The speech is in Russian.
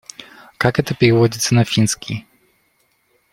Как это переводится на финский?